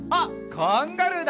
カンガルーだ！